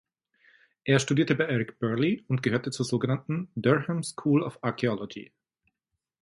Er studierte bei Eric Birley und gehörte zur so genannten „Durham School of Archaeology“.